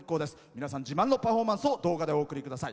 皆さん自慢のパフォーマンスをお送りください。